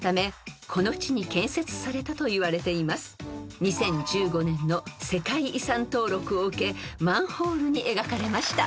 ［２０１５年の世界遺産登録を受けマンホールに描かれました］